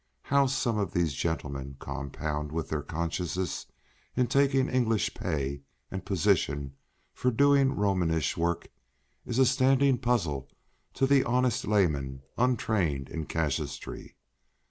How some of these gentlemen compound with their consciences in taking English pay and position for doing Romish work, is a standing puzzle to honest laymen untrained in casuistry.